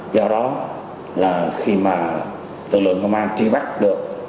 do đó là khi mà tự lượng công an tri bắt được